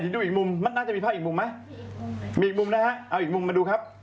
ดูอีกมุมมันน่าจะมีภาพอีกมุมไหมมีอีกมุมนะฮะเอาอีกมุมมาดูครับ